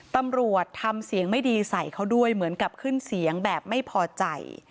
ตำรวจทำเสียงไม่ดีใส่เขาด้วยเหมือนกับขึ้นเสียงแบบไม่พอใจ